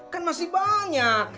kan masih banyak